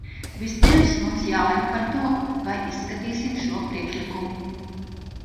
Vispirms mums jālemj par to, vai izskatīsim šo priekšlikumu.